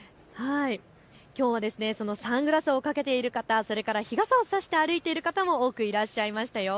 きょうはサングラスをかけている方、それから日傘を差して歩いている方も多くいらっしゃいましたよ。